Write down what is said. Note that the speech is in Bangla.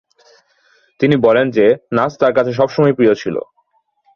তিনি বলেন যে, নাচ তার কাছে সবসময়ই প্রিয় ছিল।